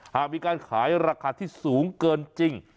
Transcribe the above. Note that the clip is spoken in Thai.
หากมีการขายราคาที่สูงเกินจริง